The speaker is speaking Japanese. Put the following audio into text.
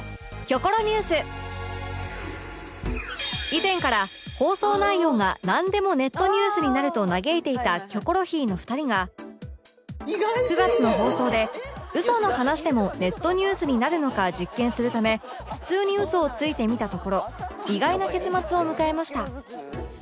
以前から放送内容がなんでもネットニュースになると嘆いていた『キョコロヒー』の２人が９月の放送でウソの話でもネットニュースになるのか実験するため普通にウソをついてみたところ意外な結末を迎えました